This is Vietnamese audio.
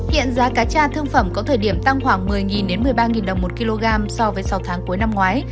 hiện giá cá cha thương phẩm có thời điểm tăng khoảng một mươi một mươi ba đồng một kg so với sáu tháng cuối năm ngoái